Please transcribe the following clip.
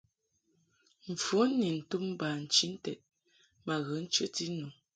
Mfon ni ntum bachinted ma ghə nchəti nu.